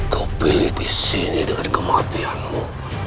kau pilih di sini dengan kematianmu